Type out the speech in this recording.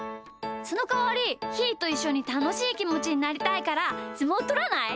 そのかわりひーといっしょにたのしいきもちになりたいからすもうとらない？